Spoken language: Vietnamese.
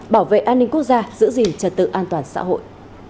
bảo vệ an ninh quốc gia giữ gìn trật tự an toàn xã hội